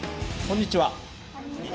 こんにちは。